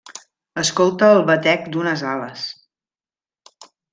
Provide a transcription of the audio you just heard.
Escolta el batec d'unes ales.